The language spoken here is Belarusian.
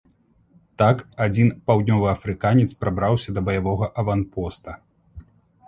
Так, адзін паўднёваафрыканец прабраўся да баявога аванпоста.